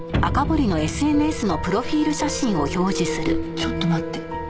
ちょっと待って。